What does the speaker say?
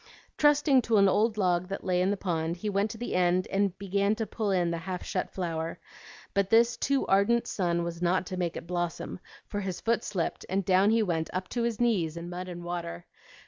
Trusting to an old log that lay in the pond, he went to the end and bent to pull in the half shut flower; but this too ardent sun was not to make it blossom, for his foot slipped and down he went up to his knees in mud and water.